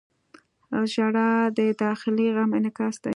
• ژړا د داخلي غم انعکاس دی.